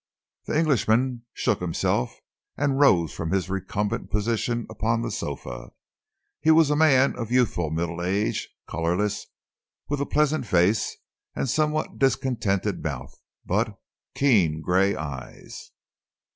The Englishman shook himself and rose from his recumbent position upon the sofa. He was a man of youthful middle age, colourless, with pleasant face, a somewhat discontented mouth, but keen grey eyes.